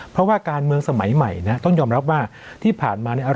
เพราะว่าการเมืองสมัยใหม่นะต้องยอมรับว่าที่ผ่านมาเนี่ย